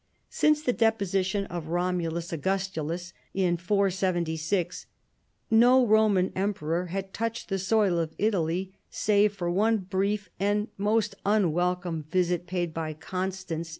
Since tlio deposition of Romulus 7S CHARLEMAGNE. Augustulus in 470, no Konian Emperor had touched the soil of Italy save for one brief and most un welcome visit paid by Constance IT.